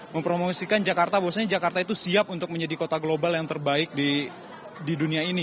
mempromosikan jakarta bahwasanya jakarta itu siap untuk menjadi kota global yang terbaik di dunia ini